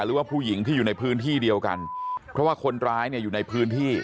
หรือว่าผู้หญิงที่อยู่ในพื้นที่เดียวกันเพราะว่าคนร้ายเนี่ยอยู่ในพื้นที่